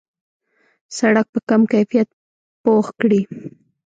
سړک په کم کیفیت پخ کړي.